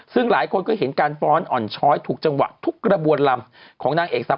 ซึ่งหลายคนก็เห็นการฟ้อนอ่อนช้อยถูกจังหวะทุกกระบวนลำของนางเอกสาว